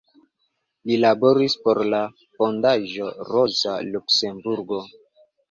Li laboris por la Fondaĵo Roza Luksemburgo.